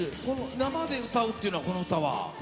生で歌うっていうのはこの歌は？